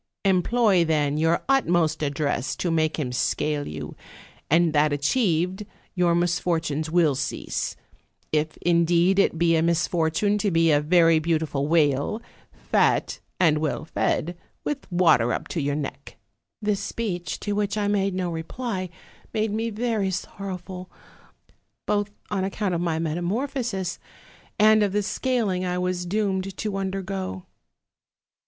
Employ, then, your utmost address to make him scale you; and that achieved, your misfor OLD, OLD FAIItY TALKS. 30? tunes will cease; if, indeed, it be a misfortune to be a very beautiful whale, fat, and well fed, with water up to your neck.' "This speech, to which I made no reply, made me very sorrowful, both on accouut of my metamorphosis, and of the scaling I was doomed to undergo.